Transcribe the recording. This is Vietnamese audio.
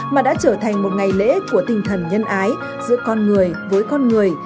mà đã trở thành một ngày lễ của tinh thần nhân ái giữa con người với con người